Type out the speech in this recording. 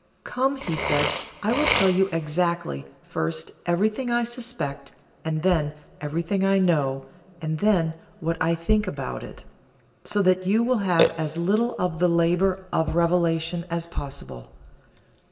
"Come," he said, "I will tell you exactly, first, everything I suspect, and then everything I know, and then what I think about it, so that you will have as little of the labour of revelation as possible.